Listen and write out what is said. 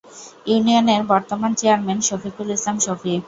ইউনিয়নের বর্তমান চেয়ারম্যান শফিকুল ইসলাম শফি